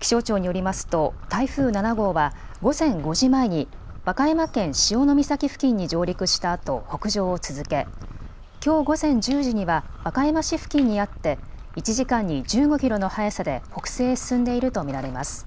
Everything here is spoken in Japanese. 気象庁によりますと台風７号は午前５時前に和歌山県潮岬付近に上陸したあと北上を続けきょう午前１０時には和歌山市付近にあって１時間に１５キロの速さで北西へ進んでいると見られます。